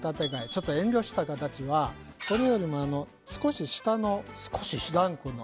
ちょっと遠慮した形はそれよりも少し下のランクの人たち。